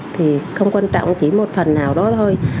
thì không quan trọng chỉ một phần nào đó thôi